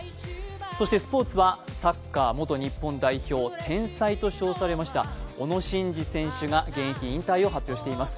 そして、スポーツはサッカー元日本代表天才と称されました小野伸二選手が現役引退を発表しています。